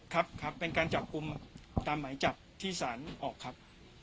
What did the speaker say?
ครับครับเป็นการจับกลุ่มตามหมายจับที่สารออกครับ